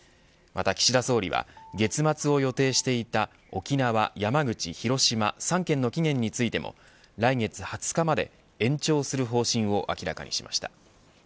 また岸田総理は月末を予定していた沖縄、山口、広島、３県の期限についても来月２０日まで延長する方針を明らかにしました。